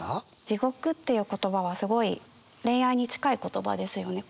「地獄」っていう言葉はすごい恋愛に近い言葉ですよね。